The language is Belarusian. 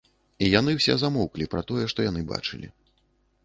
І яны ўсе замоўклі пра тое, што яны бачылі.